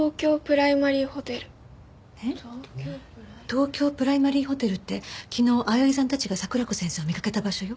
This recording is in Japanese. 東京プライマリーホテルって昨日青柳さんたちが桜子先生を見かけた場所よ。